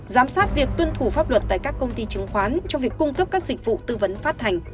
giám sát việc tuân thủ pháp luật tại các công ty chứng khoán cho việc cung cấp các dịch vụ tư vấn phát hành